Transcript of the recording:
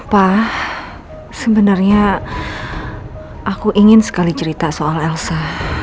pak sebenarnya aku ingin sekali cerita soal elsa